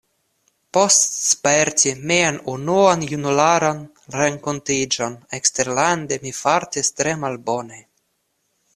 Post sperti mian unuan junularan renkontiĝon eksterlande, mi fartis tre malbone.